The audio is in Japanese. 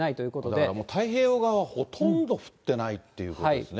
だからもう、太平洋側はもうほとんど降ってないっていうことですね。